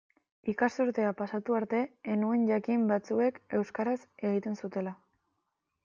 Ikasturtea pasatu arte ez nuen jakin batzuek euskaraz egiten zutela.